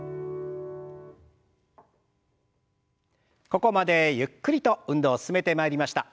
ここまでゆっくりと運動進めてまいりました。